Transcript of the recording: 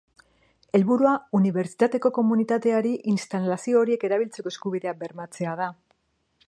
Helburua unibertsitateko komunitateari instalazio horiek erabiltzeko eskubidea bermatzea da.